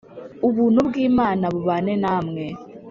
Ubuntu bw’Imana bubane namwe